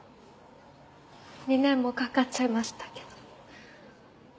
２年もかかっちゃいましたけど。